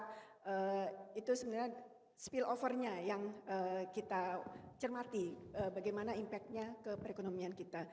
bahwa itu sebenarnya spill overnya yang kita cermati bagaimana impactnya ke perekonomian kita